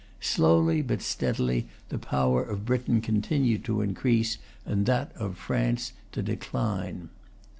Slowly, but steadily, the power of Britain continued to increase, and that of France to decline.